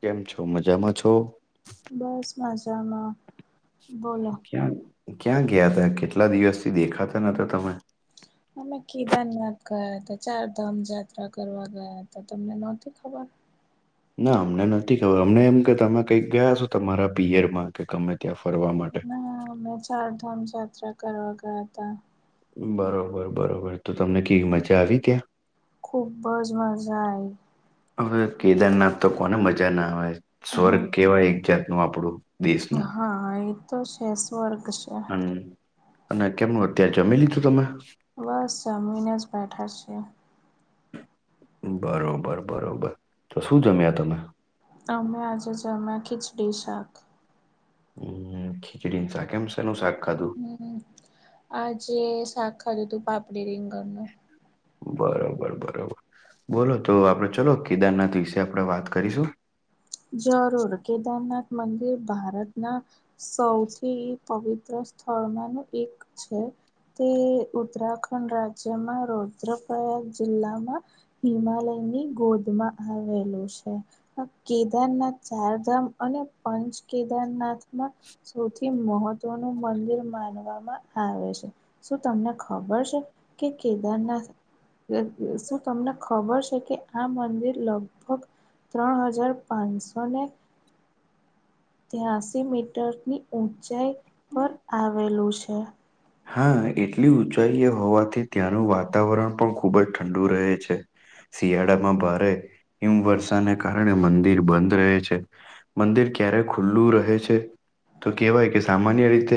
કેમ છો મજામાં છો? બસ મજામાં. બોલો ક્યાં ક્યાં ગયા તા, કેટલા દિવસથી દેખાતા નતા તમે? અમે કેદારનાથ ગયા હતા. ચારધામ યાત્રા કરવા ગયા હતા. તમને નહતી ખબર? ના અમને નથી ખબર અમને એમ કે તમે કઈક ગયા છો તમારા પીયરમાં કે ગમે ત્યાં ફરવામાં ના મેં ચારધામ યાત્રા કરવા ગયા તા. બરોબર બરોબર તો તમને કેવી મજા આવી ત્યાં ખુબ જ મજા આવી. હવે કેદારનાથ તો કોને મજા ના આવે, સ્વર્ગ કેવાય એક જાતનું આપણું. દેશનું હા હા એ તો છે સ્વર્ગ છે. અને અને કેમનું અત્યારે જમી લીધું તમે? બસ જમીને જ બેઠા છીએ. બરોબર બરોબર તો શું જમ્યા તમે? તમે આજે જમ્યાં ખીચડી શાક હમ્મ ખીચડીને શાક એમ શેનું શાક ખાધું હમ્મ આજે શાક ખાધુંતું પાપડી રીંગણનું બરોબર બરોબ બોલો તો આપડે ચલો કેદારનાથ વિશે આપડે વાત કરીશું. જરૂર કેદારનાથ મંદિર ભારતના સૌથી પવિત્ર સ્થળમાંનું એક છે. તે ઉત્તરાખંડ રાજ્યમાં રૌદ્રપ્રયાગ જીલ્લામાં હિમાલયની ગોદમાં આવેલુ છે [inaudible] કેદારનાથ ચારધામ અને પંચ કેદારનાથમાં સૌથી મહત્વનું મંદિર માનવામાં આવે છે. શું તમને ખબર છે કે કેદારનાથ [inaudible] શું તમને ખબર છે કે આ મંદિર લગભગ ત્રણ હજાર પાનસોને ત્યાસી મીટરની ઊંચાઈ પર આવેલું છે. હા એટલી ઊંચાઈએ હોવાથી ત્યાંનું વાતાવરણ પણ ખૂબ જ ઠંડુ રહે છે. શિયાળામાં ભારે હિમવર્ષાને કારણે મંદિર બંધ રહે છે. મંદિર ક્યારે ખુલ્લું રહે છે તો કેવાય કે સામાન્ય રીતે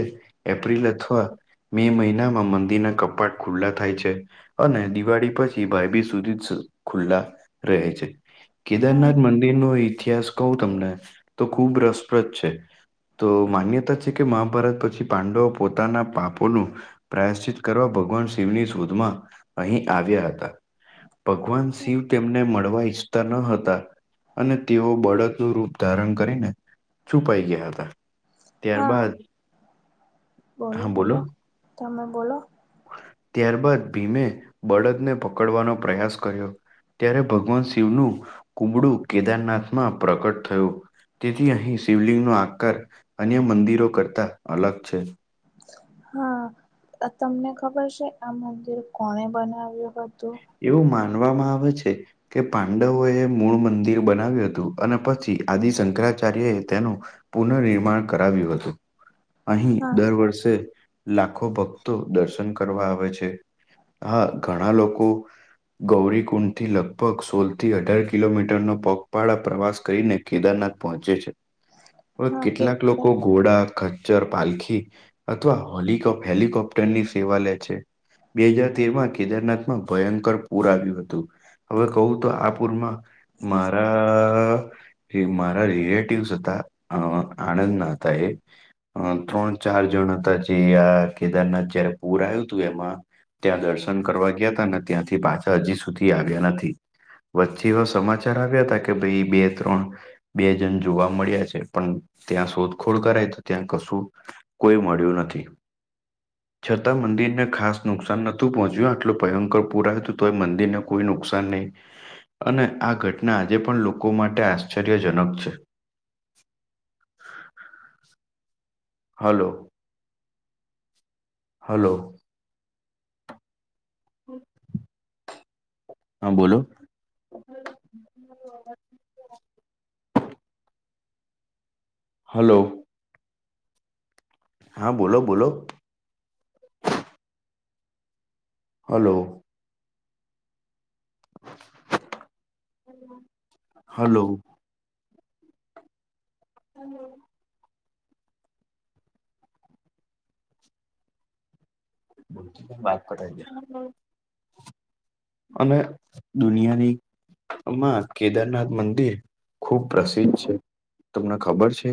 એપ્રિલ અથવા મે મહિનામાં મંદિરના કપાટ ખુલ્લા થાય છે. અને દિવાળી પછી ભાઈબીજ સુધી [unintelligible] ખુલ્લા રહે છે. હા કેદારનાથ મંદિરનો ઇતિહાસ કવ તમને તો ખૂબ રસપ્રદ છે. તો માન્યતા છે કે મહાભારત પછી પાંડવો પોતાના પાપ ઓલું પ્રાયશ્ચિત કરવા ભગવાન શિવની શોધમાં અહીં આવ્યા હતા. ભગવાન શિવ તેમને મળવા ઈચ્છતા ન હતા. અને તેઓ બળદનું રૂપ ધારણ કરીને છુપાય ગયા હતા. હા ત્યારબાદ બોલો બોલો તમે બોલો ત્યારબાદ ભીમે બળદને પકડવાનો પ્રયાસ કર્યો. ત્યારે ભગવાન શિવનું કુંબડું કેદારનાથમાં પ્રગટ થયું. તેથી અહીં શિવલિંગનો આકાર અન્ય મંદિરો કરતા અલગ છે. હા અ તમને ખબર છે આ મંદિર કોણે બનાવ્યું હતું એવું માનવામાં આવે છે. કે પાંડવોએ મૂળ મંદિર બનાવ્યું હતું અને પછી આદિ શંકરાચાર્યએ તેનું પુનઃનિર્માણ કરાવ્યું હતું અહીં હા દર વર્ષે લાખો ભક્તો દર્શન કરવા આવે છે હા ઘણાં લોકો ગૌરીકુંડથી લગભગ સોલથી અઢાર કિલોમીટરનો પગપાળા પ્રવાસ કઈને કેદારનાથ પહોંચે છે હવે હા કેટલાક કેટલા લોકો ઘોડા ખચ્ચર પાલખી અથવા [unintelligible] હેલિકોપ્ટરની સેવા લે છે. બે હજાર તેરમાં કેદારનાથમાં ભયંકર પૂર આવ્યું હતું હવે ક્વ તો આ પૂરમાં મારા એ મારા રિલેટિવ્સ હતા અ આણંદના હતા એ અ ત્રણ ચાર જણ હતા જે આ કેદારનાથ જયારે પૂર આયુંતું એમાં ત્યાં દર્શન કરવા ગ્યાતાને ત્યાંથી પાછા હજી સુધી આવ્યા નથી. વથી વ સમાચાર આવ્યાતા કે ભઈ બે ત્રણ બે જણ જોવા મળ્યા છે, પણ ત્યાં શોધ ખોળ કરાય તો ત્યાં કશું... કોઈ મળ્યું નથી. છતાં, મંદિરને ખાસ નુકસાન નોતું પહોચ્યું, આટલો ભયંકર... પુરા હતું તોય મંદિરને કોઈ નુકસાન નહીં.. અને આ ઘટના આજે પણ લોકો માટે આશ્ચર્યજનક છે. હલૉ. હલો હા બોલો. હલો... હા બોલો બોલો. હલો... [inaudible] હલો.. હું બોલું? બાત પ ગયા [unintelligible] અને. દુનિયાની.. આમાં કેદારનાથ મંદિર ખૂબ પ્રસિદ્ધ છે. તમને ખબર છે?